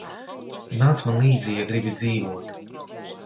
Nāc man līdzi, ja gribi dzīvot.